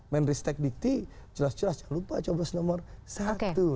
men restate dikti jelas jelas jangan lupa jawabannya nomor satu